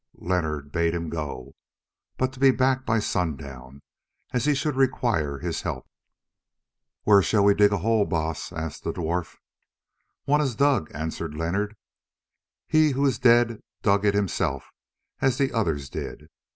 Leonard bade him go, but to be back by sundown, as he should require his help. "Where shall we dig a hole, Baas?" asked the dwarf. "One is dug," answered Leonard; "he who is dead dug it himself as the others did.